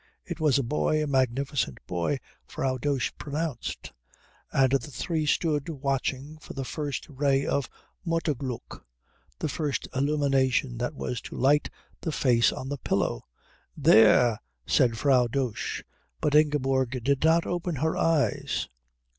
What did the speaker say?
It was a boy, a magnificent boy, Frau Dosch pronounced, and the three stood watching for the first ray of Mutterglück, the first illumination that was to light the face on the pillow. "There!" said Frau Dosch; but Ingeborg did not open her eyes.